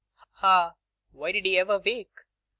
Ah! why did he ever wake?